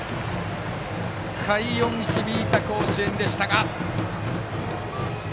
快音響いた甲子園でしたが。